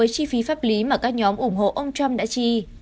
chi pháp lý mà các nhóm ủng hộ ông trump đã chi